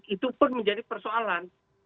itu pun menjadi persoalan